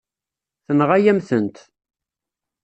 Tenɣa-yam-tent.